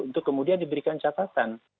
untuk kemudian diberikan catatan